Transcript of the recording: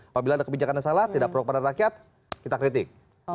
apabila ada kebijakan yang salah tidak pro pada rakyat kita kritik